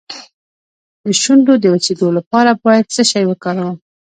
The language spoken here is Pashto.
د شونډو د وچیدو لپاره باید څه شی وکاروم؟